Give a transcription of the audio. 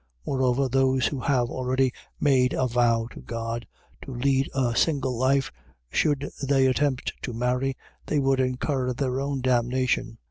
Moreover, those who have already made a vow to God to lead a single life, should they attempt to marry, they would incur their own damnation.